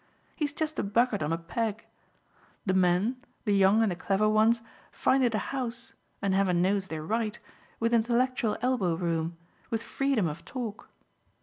He's just a bucket on a peg. The men, the young and the clever ones, find it a house and heaven knows they're right with intellectual elbow room, with freedom of talk.